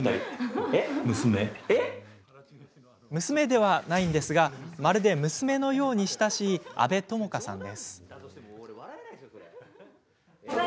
娘ではないのですがまるで娘のように親しい阿部朋佳さんです。